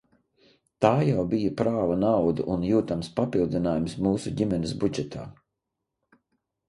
Tā jau bija prāva nauda un jūtams papildinājums mūsu ģimenes budžetā.